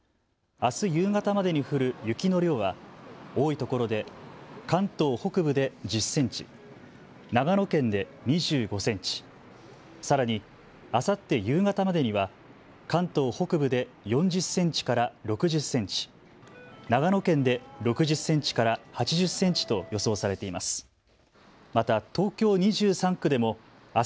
あす夕方までに降る雪の量は多いところで関東北部で１０センチ、長野県で２５センチ、さらにあさって夕方までには関東北部で４０センチから６０センチ、長野県で６０センチから８０センチと予想されています。